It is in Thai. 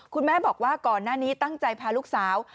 คุณแม่บอกว่าก่อนหน้านี้ตั้งใจพาลูกสาว